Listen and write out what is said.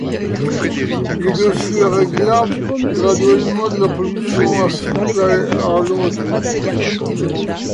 Le dossier est réglable graduellement de la position assise à allongée.